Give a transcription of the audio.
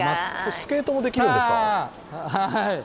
スケートもできるんですか？